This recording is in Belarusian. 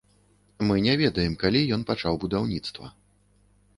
Мы не ведаем, калі ён пачаў будаўніцтва.